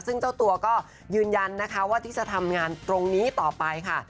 ซึ่งเจ้าตัวก็ยืนยันนะคะว่าที่จะทำงานตรงนี้ต่อไปค่ะ